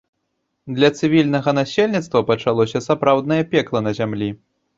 Для цывільнага насельніцтва пачалося сапраўднае пекла на зямлі.